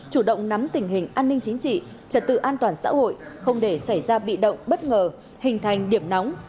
chủ động nắm tình hình an ninh chính trị trật tự an toàn xã hội không để xảy ra bị động bất ngờ hình thành điểm nóng